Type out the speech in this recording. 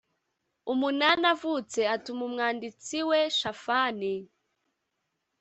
umunani avutse atuma umwanditsi we shafani